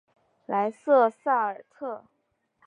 莱瑟萨尔特。